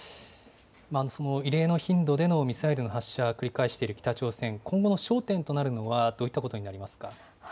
異例の頻度でのミサイルの発射を繰り返している北朝鮮、今後の焦点となるのは、どういったことになりますか。